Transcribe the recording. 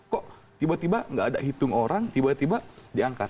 kok tiba tiba nggak ada hitung orang tiba tiba diangkat